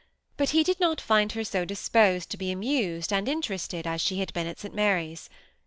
But he did not find her so disposed to be amused and interested as she had been at St. Mary's.